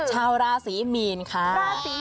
ชาวราศีมีนค่ะ